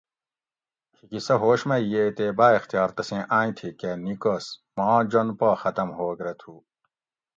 "کھیکی سہ ہوش مئی ییئے تے بااختیار تسیں آۤئیں تھی کہ نِیکس ""ماں جون پا ختم ہوگ رہ تُھو"